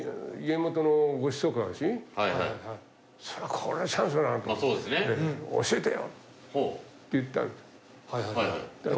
これはチャンスだ！と思って教えてよって言ったの。